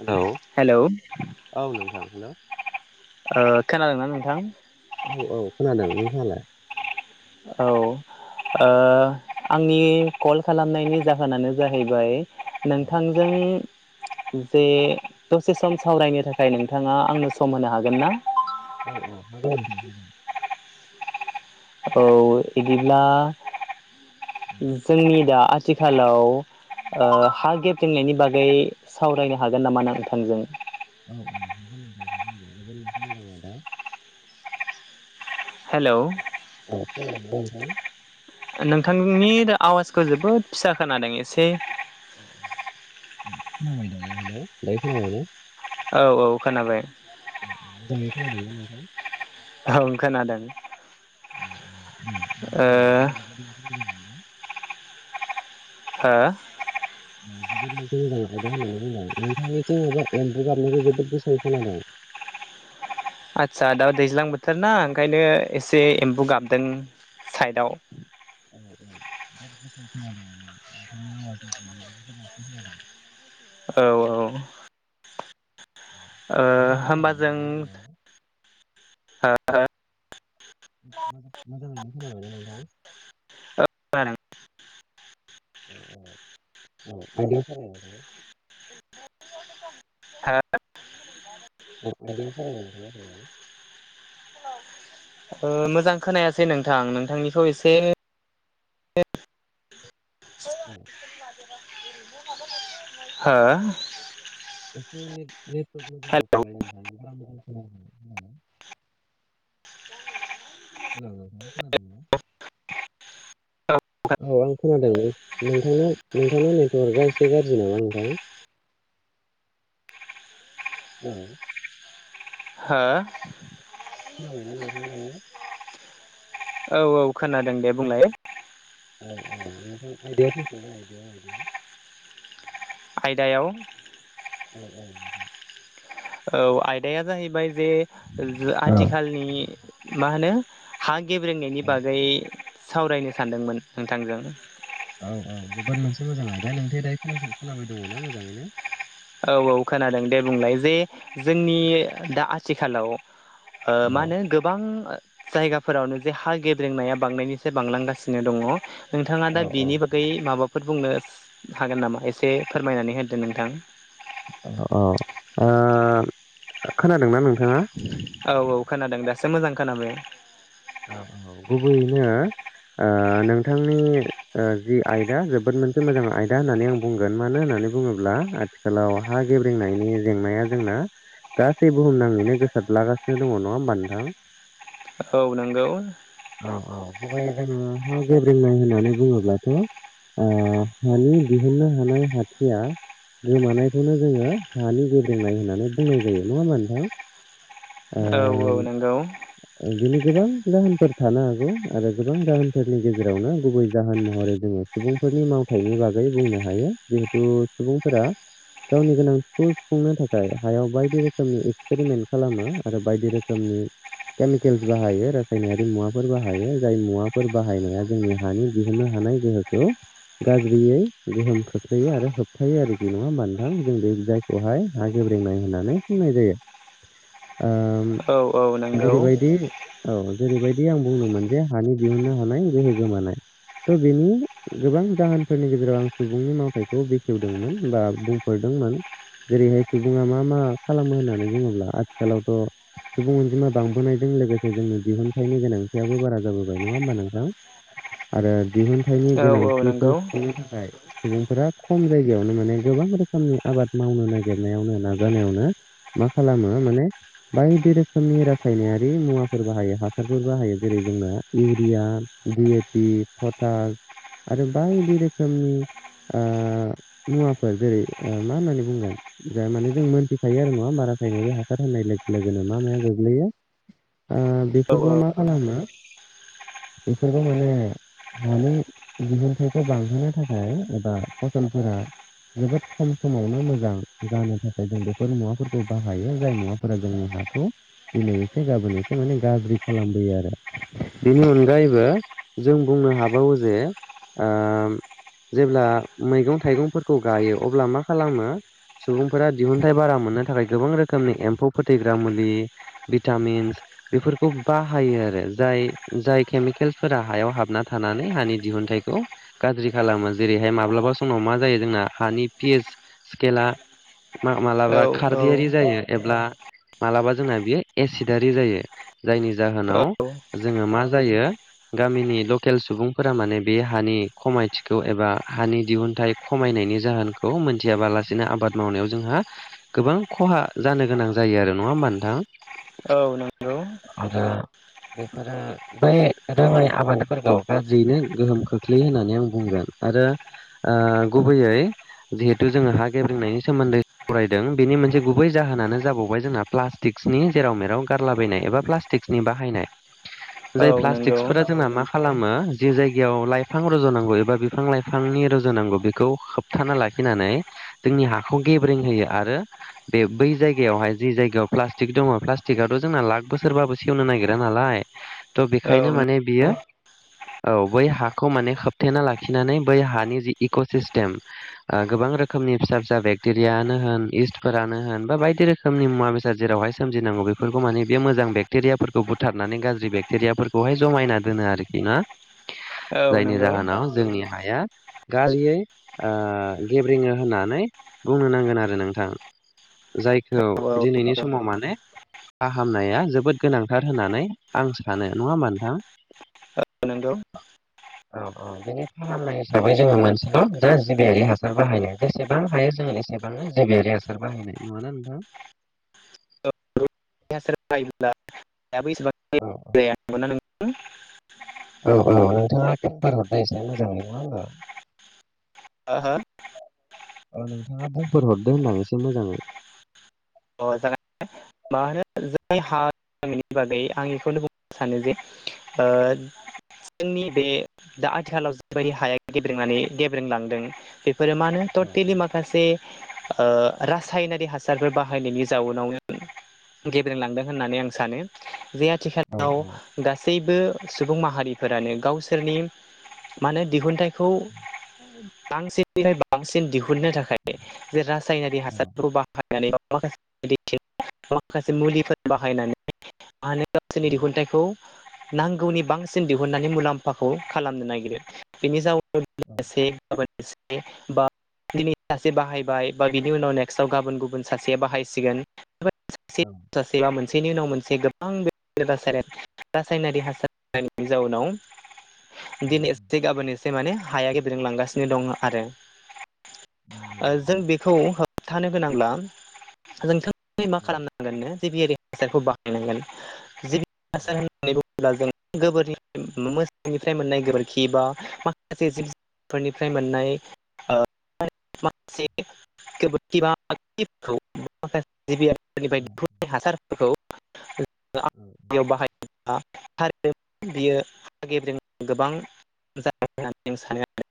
Hello hello औ नोंथां hello खोनादोंना नोंथां औ औ खोनादों नोंहालाय औ ओ आंनि कल खालामनायनि जाहोनानो जाहैबाय औ नोंथांजों जे दसे सम सावरायनो थाखाय नोंथाङा आंनो सम होनो हागोन ना औ औ हागोन औ बिदिब्ला जोंनि दा आथिखालाव हा गेबेंनायनि बागै सावरायनो हागोन नामा नोंथांजों औ [unintelligible] हेलौ [unintelligible] नोंथांनि आवाजखौ जोबोद फिसा खोनादों एसे खोनाबाय दायो हेलौ [unintelligible] औ औ खोनाबाय दिनै फैनांला नोंथां औ खोनादों ओ [unintelligible] हो जोबोद मोनसे मोजां आयदा होननानै बुंदों नोंथांनिथि माबा एम्बु गाबनायखौ जोबोद गोसा खोनादों आस्सा दा दैज्लां बोथोर ना ओंखायनो एसे एम्बौ गाबदों साइदाव [unintelligible] औ औ ओ नोंथाङा खोनाबायना हामबाजों दायो हो हो [unintelligible] [unintelligible] [unintelligible] हो [unintelligible] मोजां खोनायासै नोंथां नोंथांनिखौ एसे औ हो एसे ने नेटवर्क मोजाङाव हेलौ थांलाय नोंथां [unintelligible] [unintelligible] औ आं खोनादोंमोन नोंथांनि नोंथांनि नेटवार्कआ एसे गाज्रि नामा नोंथां? औ हो खोनाबायना नोंथाङा दायो? औ-औ खोनादों दे बुंलाय। औ-औ नोंथाङा आयदायाव फैफिनलाय आयदायाव-आयदायाव। आयदायाव। औ-औ। औ आयदाया जाहैबाय जे ज आथिखालनि मा होनो हा गेब्रेंनायनि औ बागै सावरायनो सानदोंमोन नोंथांजों। औ-औ जोबोद मोनसे मोजां आयदा नोंथाङा दायो खोनासं-खोनाबाय दङ ना मोजाङैनो? औ-औ खोनादों दे बुंलाय जे जोंनि दा आथिखालाव ओ औ मा होनो गोबां जायगाफोरावनो जे हा गेब्रेंनाया बांनायनिसाय बांलांगासिनो दङ। नोंथाङा औ दा औ बेनि बागै माबाफोर बुंनो हागोन नामा? एसे फोरमायनानै होदो नोंथां। अ ओ खोनादोंना नोंथाङा? औ-औ खोनादों दासो मोजां खोनाबाय। औ-औ गुबैयैनो ओ नोंथांनि ओ जि आयदा जोबोद मोनसे मोजां आयदा होननानै आं बुंगोन मानो होनना नानै बुङोब्ला आथिखालाव हा गेब्रेंनायनि जेंनाया जोंना गासै बुहुमनाङैनो गोसारलागासिनो दङ नङा होमबा नोंथां। औ नंगौ। बेयावहाय जों हा गेब्रेंनाय होननानै बुङोब्लाथ' आ हानि दिहुननो हानाय हाथिया गोमानायखौनो जोङो हानि गेब्रेंनाय होननानै बुंनाय जायो नङा होनबा नोंथां? औ-औ ओ नोंगौ। बिनि गोबां जाहोनफोर थानो हागौ आरो गोबां जाहोनफोरनि गेजेरावनो गुबै जाहोन महरै जोङो सुबुं फोरनि मावथायनि बागै बुंनो हायो जिहेतु सुबुंफोरा गावनि गोनांथिखौ सुफुंनो थाखाय हायाव बायदि रोखोमनि एक्सपेरिमेन्ट खालामो। आरो बायदि रोखोमनि केमिकेल्स बाहायो रासायनारि मुवाफोर बाहायो जाय मुवाफोर बाहायनाया जोंनि हानि दिहुननो हा नाय गोहोखौ गाज्रियै गोहोम खोख्लैयो आरो होबथायो आरोखि नङा होनबा नोथां जों बे जायखौहाय हा गे ब्रेंनाय होननानै बुंनाय जायो। [unintelligible] उम औ औ नंगौ ओरैबायदि बायदि औ जेरैबायदि आं बुंदोंमोन जे हानि दिहुननो हानाय गोहो गोमानाय थ' बेनि गोबां जाहोनफोरनि गेजेराव आं सुबुंनि मावथायखौ बेखेवदोंमोन बा बुंफोरदों मोन जेरैहाय सुबुङा मा-मा खालामो होननानै बुङोब्ला आथिखालावथ' सुबुं अनजिमा बांबोनायजों लोगोसे जोंनि दिहुनथाइनि गोनांथियाबो बारा जाबोबाय नङा होमबा नोंथां? आरो दिहुनथाइनि औ औ गोनांथिखौ नंगौ सुफुंनो थाखाय-' सुबुंफोरा खम जायगायावनो माने गोबां रोखोमनि आबाद मावनो नागिरनायावनो नाजानायावनो मा खालामो माने बायदि रोखोमनि रासायनारि मुवाफोर बाहायो हासारफोर बाहायो जेरै जोंनो इउरिया दिपि, फथास आरो बायदि रोखोमनि ओ मुवाफोर जेरै ओ मा होननानै बुंगोन जा माने जों मोनथिखायो आरो नङा होनबा रा सायनारि हा सार होननाय लोगो-लोगोनो मा-माया गोग्लैयो ओ बेफोरखौ मा खालामो। बेफोरखौ माने माने दिहुनथाइखौ बांहोनो थाखाय एबा फसलफोरा जोबोद खम समावनो मोजां जानो थाखाय जों बेफोर मुवाफोरखौ बाहायो जाय मुवाफोरा जोंनि हाखौ दिनै एसे गाबोन एसे माने गाज्रि खालामबोयो आरो बेनि अनगायैबो जों बुं बुंनो हाबावो जे ओ जेब्ला मैगं थाइगंफोरखौ गायो अब्ला मा खालामो सुबुंफोरा दिहुनथाइ बारा मोननो थाखाय गोबां रोखोम नि एम्फौ फोथैग्रा मुलि भिटामिन्स बेफोरखौ बाहायो आरो जाय जाय केमिकेलफोरा हायाव हाबना थानानै हानि दिहुनथाइखौ गाज्रि खालामो जेरैहाय माब्लाबा समाव मा जायो जोंना हानि पिस स्केला औ मालाबा औ खारदैयारि जायो [inaudible] मालाबा जोंना बियो एसिडारि जायो जायनि जाहोनाव औ जोङो मा जायो गामिनि लकेल सुबुंफोरा माने बे हानि खमायथिखौ एबा हानि दिहुनथाइ खमायनायनि जाहोनखौ मोनथियालानो आबाद मावनायाव जोंहा गोबां खहा जानो गोनां जायो आरो नङा होमबा नोंथां औ नंगौ बेफोरो बे रोङै आबादफोरखौ गाज्रियैनो गोहोम खोख्लैयो होननानै आं बुंगोन आरो ओ गुबैयै जिहेथु जोङो हा गेब्रेंनायनि सोमोन्दै फरायदों बेनि मोनसे गु बै जाहोनानो जाबावबाय जोंना प्लास्टिक्सनि जेराव मेराव गारलाबायनाय एबा प्लास्टिक्सनि बाहायनाय जाय औ नंगौ औ नंगौ प्लास्टिक्सफोरा जोंना मा खालामो जि जायगायाव लाइफां रज'नांगौ एबा बिफां लाइफां रजुनांगौ बेखौ होबथाना लाखिनानै जोंनि हाखौ गेब्रें होयो आरो बे बै जायगायावहाय जि जायगायाव प्लास्टिक दङ प्लास्टिकआथ' जोंना लाख बोसोरबाबो सेवनो नागिरा नालाय थ' बेखायनो औ माने बियो औ बै हाखौ माने होबथेना लाखिनानै बै हानि जि इक' सिस्टेम ओ गोबां रोखोमनि फिसा फिसा बेक्टेरियानो होन इस फोरानो होन बा बायदि रोखोमनि मुवा बेसाद जेरावहाय सोमजिनांगौ बेफोरखौ माने बे मोजां बेक्टेरियाफोरखौ बुथारना नानै गाज्रि बेक्टेरियाफोरखौहाय जमायना दोनो आरोखि ना जायनि नंगौ जाहोनाव जोंनि हाया गाज्रियै ओ गेब्रेङो होना होननानै बुंनो नांगोन आरो नोंथां जायखौ औ दिनैनि समाव माने फाहामनाया जोबोद गोनांथार होननानै आं सानो नङा होमबा नोंथां नंगौ औ औ बेनि फाहामनाय हिसाबै जोङो मोनसेल' दा जिबियारि हासार बाहायनो जेसेबां हायो जों एसेबांनो जेबियारि हासार बाहायनाय नङाना नोंथां औ औ [inaudible] औ औ नोंथाङा फोरमायहरदो इसे मोजाङै नङा होमबा [inaudible] औ नोंथाङा बुंफोर हरदो होनदों आं एसे मोजाङै [inaudible] नि बागै आं इखौनो बुंनो सानो जे ओ जोंनि बे दा आथिखालाव जिबायदि हाया गेब्रेंनानै गेब्रोंलांदों बे फोरो मानो औ टटेलि माखासे ओ रासायनारि हासारफोर बाहायनायनि जाउनावनो गेब्रेंलांदों होननानै आं सानो जे औ आथिखालाव औ गासै गासैबो सुबुं माहारिफोरानो गावसोरनि मानो दिहुनथाइखौ बांसिनै बांसिन दिहुननो थाखाय बे राज रासायनारि औ हासारखौ बाहायनानै माखासे [unintelligible] माखासे मुलिफोर बाहायनानै। मानो औ गावसोरनि दिहुनथाइखौ नांगौनि बांसिन दिहुननानै मुलाम्फाखौ खालामनो नागिरो बेनि जाउन [unintelligible] बा दिनै सासे बाहायबाय बा बिनि उनाव नेक्स्टआव गाबोन गुबुन सासेया बाहायसिगोन। [unintelligible] सासे सासेबा मोन। बिनि उनाव मोनसे गोबां बेबादिनो रासायनारि हासार बाहायनायनि जाउनाव दिनै एसे गाबोन एसे माने हाया गेब्रेंलांगासिनो दं आरो ओ जों बिखौ होबथानो गोनांब्ला [unintelligible] मा खालामनांगोननो [unintelligible] हासारखौ बाहायनांगोन जिबि हासार होननानै बुङोब्ला जों गोबोरनि मोसौ फ्राय मोननाय गोबोरखि बा माखासे जिब- जुनफोरनिफ्राय मोननाय ओ माखासे गोबोरखि बा [unintelligible] निफ्राय दिहुननाय हासारफोरखौ [unintelligible] औ बाहायोब्ला थारैनो बियो गेब्रें गोबां जायो होननानै जों सानो आरो।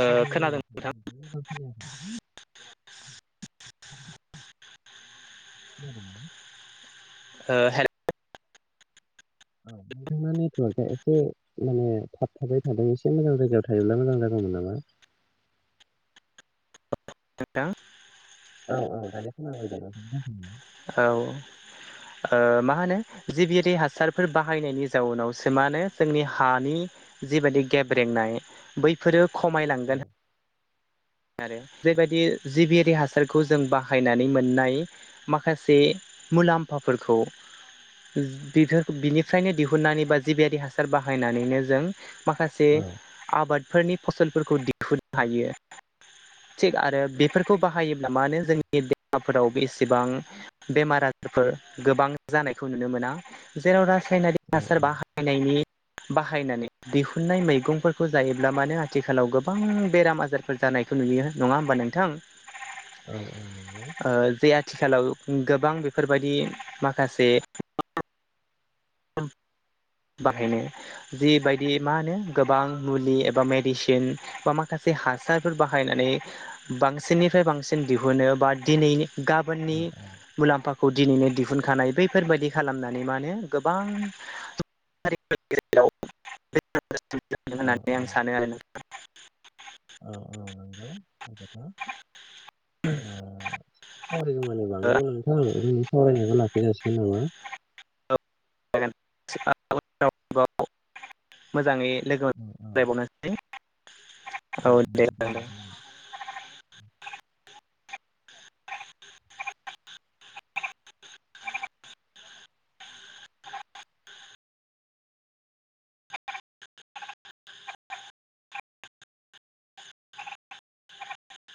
ओ खोनादों खोनादों ना? ओ हेलौ। औ नोंथांना नेटवर्कआ एसे माने थाब थाबाय थादों एसे मोजां जायगायाव थायोब्ला मोजां जागोन। [unintelligible] नामा? [inaudible] [unintelligible] औ औ दायो खोनाबाय दे [unintelligible] औ। ओ मा होनो जिबियारि हासारफोर बाहायनायनि जाउनावसो मा होनो जोंनि हानि जिबायदि गेब्रेंनाय बैफोरो औ खमायलांगोन। आरो बेबायदि जिबियारि हासारखौ जों बाहायनानै मोननाय माखासे मुलाम्फाफोरखौ [unintelligible] बिनिफ्रायनो दिहुननानै बा जिबियारि हासार बाहायनानैनो जों माखासे औ आबादफोरनि फसलफोरखौ दिहुननो हायो। थिग आरो बेफोरखौ बाहायोब्ला मानो जोंनि देहाफोराव बेसेबां बेमार आजार फोर गोबां जानायखौ नुनो मोना जेराव रासायनारि औ हासार बाहायनायनि बाहायनानै दिहुननाय मैगंफोरखौ जायोब्ला मानो आथिखालाव गोबां बेराम आजार फोर जानायखौ नुयो नङा होमबा नोंथां? औ औ। ओ जे आथिखालाव गोबां बेफोरबायदि माखासे औ। बाहायनो जिबायदि मा होनो गोबां मुलि एबा मेडिसिन बा माखासे माखासे हासारफोर बाहायनानै बांसिननिफ्राय बांसिन दिहुनो बा दिनैनि औ गाबोननि मुलाम्फाखौ दिनैनो दिहुनखानाय बैफोरबायदि खालामनानै मा नो गोबां [unintelligible] [unintelligible] औ होननानै आं सानो आरो ना। औ औ औ नंगौ [inaudible] ओ [unintelligible] मानि बांगौ नोंथां जोंनि सावरायनायखौ लाखि दोनजासिगोन नामा? [unintelligible] मोजाङै लोगो औ औ [unintelligible] औ दे जागोन दे औ। [unintelligible]